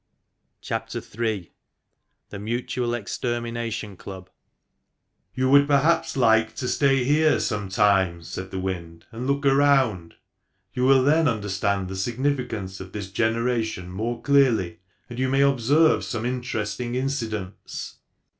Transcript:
Ill THE MUTUAL EXTERMINATION CLUB c< You would perhaps like to stay here some time," said the Wind, "and look around. You will then understand the significance of this generation more clearly, and you may observe some interesting incidents."